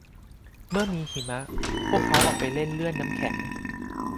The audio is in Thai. เมื่อมีหิมะ พวกเขาออกไปเล่นเลื่อนน้ำแข็ง